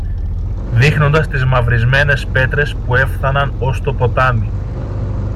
δείχνοντας τις μαυρισμένες πέτρες που έφθαναν ως το ποτάμι.